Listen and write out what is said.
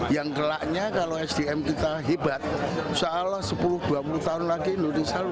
yang gelaknya kalau sdm kita hebat seolah olah sepuluh dua puluh tahun lagi indonesia lalu